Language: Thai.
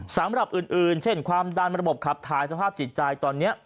สำหรับอื่นเช่นความดันระบบขับถ่ายสภาพจิตใจตอนนี้